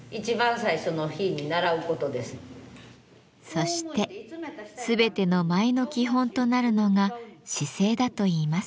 そして全ての舞の基本となるのが姿勢だといいます。